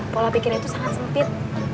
pola pikirnya itu sangat sempit